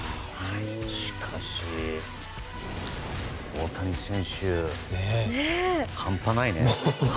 しかし、大谷選手半端ないね。